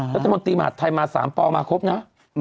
นัตติมาภายมาสามมาครบนะ